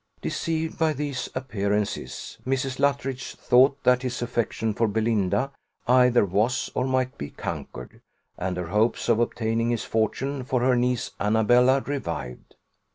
Deceived by these appearances, Mrs. Luttridge thought that his affection for Belinda either was or might be conquered, and her hopes of obtaining his fortune for her niece Annabella revived.